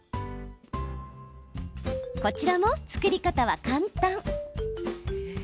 こちらも作り方は簡単。